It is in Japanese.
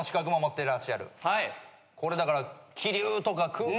これだから。